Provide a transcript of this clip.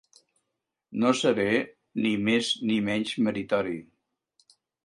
No seré ni més ni menys meritori